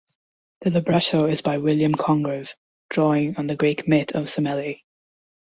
The libretto is by William Congreve, drawing on the Greek myth of Semele.